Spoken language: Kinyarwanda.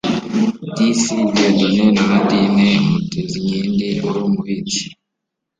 Disi Dieudonne na Nadine Mutezinkindi wari umubitsi